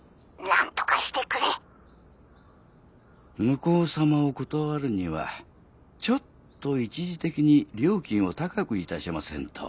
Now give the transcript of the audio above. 向こう様を断るにはちょっと一時的に料金を高くいたしませんと。